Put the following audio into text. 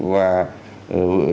và đúng với